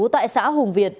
tại xã hùng việt